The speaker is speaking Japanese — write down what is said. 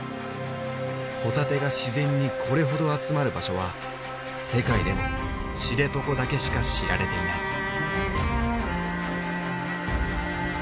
ホタテが自然にこれほど集まる場所は世界でも知床だけしか知られていない。